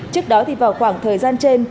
trước đó thì vào khoảng thời gian trên